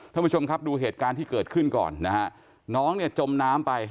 ท่านผู้ชมครับดูเหตุการณ์ที่เกิดขึ้นก่อนนะฮะน้องเนี่ยจมน้ำไป